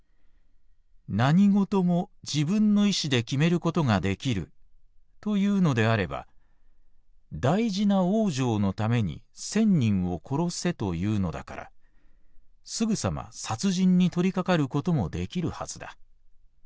何事も自分の意思で決めることができると言うのであれば大事な往生のために千人を殺せと言うのだからすぐさま殺人に取りかかることもできるはずだ。